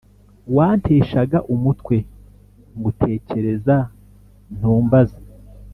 wanteshaga umutwe ngutekereza ntumbaza